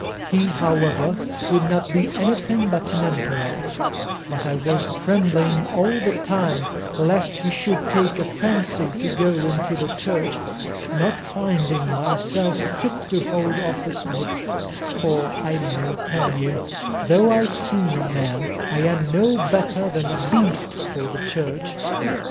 He, however, would not be anything but an emperor; but I was trembling all the time lest he should take a fancy to go into the Church, not finding myself fit to hold office in it; for I may tell you, though I seem a man, I am no better than a beast for the Church."